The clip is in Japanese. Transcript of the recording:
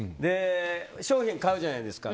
商品を買うじゃないですか。